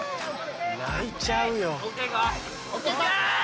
泣いちゃうよ。